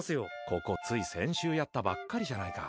ここ、つい先週やったばっかりじゃないか。